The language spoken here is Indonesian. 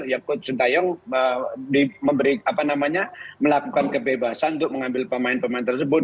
ya coach sintayong melakukan kebebasan untuk mengambil pemain pemain tersebut